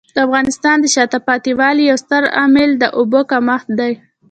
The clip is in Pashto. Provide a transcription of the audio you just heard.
د افغانستان د شاته پاتې والي یو ستر عامل د اوبو کمښت دی.